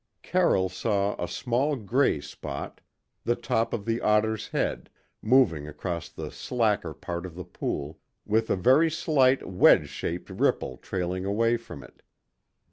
Carroll saw a small grey spot the top of the otter's head moving across the slacker part of the pool, with a very slight, wedge shaped ripple trailing away from it.